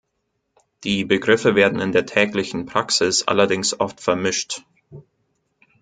Die Begriffe werden in der täglichen Praxis allerdings oft vermischt.